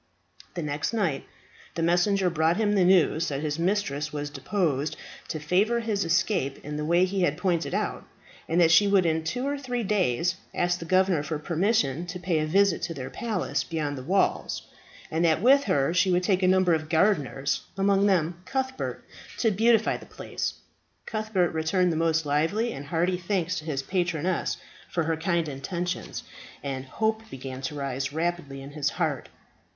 The next night the messenger brought him the news that his mistress was disposed to favour his escape in the way he had pointed out, and that she would in two or three days ask the governor for permission to pay a visit to their palace beyond the walls, and that with her she would take a number of gardeners among them Cuthbert to beautify the place. Cuthbert returned the most lively and hearty thanks to his patroness for her kind intentions, and hope began to rise rapidly in his heart.